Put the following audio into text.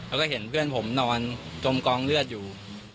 แล้วก็เห็นเพื่อนผมนอนจมกองเลือดอยู่